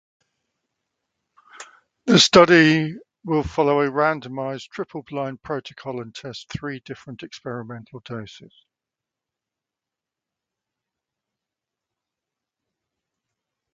The study will follow a randomized triple-blind protocol and test three different experimental doses.